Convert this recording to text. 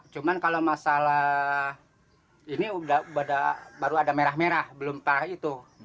cuma kalau masalah ini baru ada merah merah belum parah itu